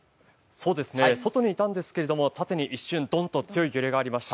外にいたんですけど、縦に一瞬強い揺れがありました。